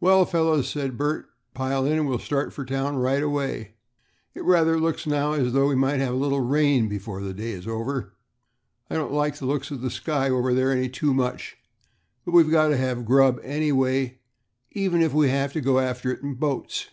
"Well, fellows," said Bert, "pile in, and we'll start for town right away. It rather looks now as though we might have a little rain before the day is over. I don't like the looks of the sky over there any too much, but we've got to have grub anyway, even if we have to go after it in boats."